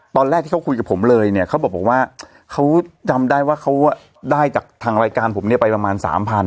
ตอนแรกที่เขาคุยกับผมเลยเนี่ยเขาบอกว่าเขาจำได้ว่าเขาได้จากทางรายการผมเนี่ยไปประมาณสามพัน